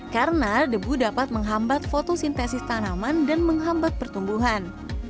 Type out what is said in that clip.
karena debu dapat menghambat fotosintesis tanaman dan menghambat pertumbuhan